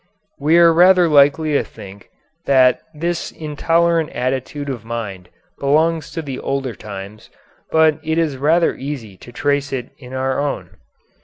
We are rather likely to think that this intolerant attitude of mind belongs to the older times, but it is rather easy to trace it in our own.